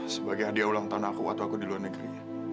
sebagai hadiah ulang tahun aku atau aku di luar negeri